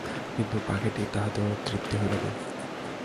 কিন্তু পাখীটির তাহাতেও তৃপ্তি হইল না।